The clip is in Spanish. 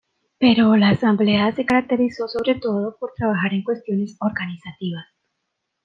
Pero la Asamblea se caracterizó sobre todo por trabajar en cuestiones organizativas.